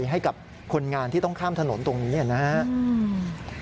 ให้กับคนงานที่ต้องข้ามถนนตรงนี้นะครับ